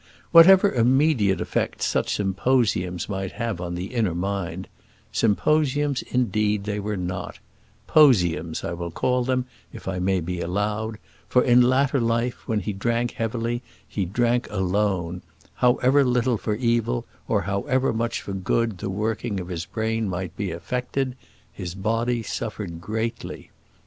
Whatever immediate effect such symposiums might have on the inner mind symposiums indeed they were not; posiums I will call them, if I may be allowed; for in latter life, when he drank heavily, he drank alone however little for evil, or however much for good the working of his brain might be affected, his body suffered greatly.